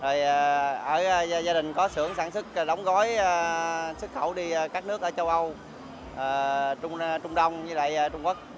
rồi ở gia đình có xưởng sản xuất đóng gói xuất khẩu đi các nước ở châu âu trung đông với lại trung quốc